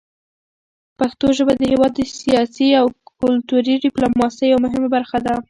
پښتو ژبه د هېواد د سیاسي او کلتوري ډیپلوماسۍ یوه مهمه برخه ده.